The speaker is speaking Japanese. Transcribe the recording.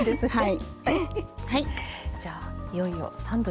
はい。